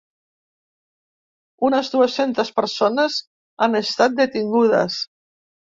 Unes dues-centes persones han estat detingudes.